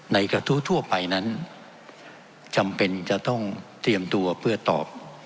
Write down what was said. กระทู้ทั่วไปนั้นจำเป็นจะต้องเตรียมตัวเพื่อตอบ